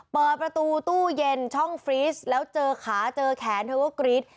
เปิดประตูตู้เย็นช่องฟรีสแล้วเจอขาเจอแขนเธอก็กรี๊ด